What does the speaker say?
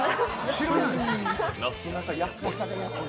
知らない。